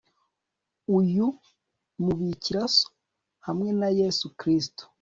Uyu mubikira so hamwe na Yesu Kristo